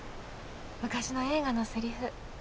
昔の映画のセリフ。